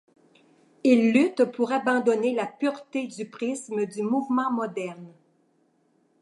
Il lutte pour abandonner la pureté du prisme du Mouvement moderne.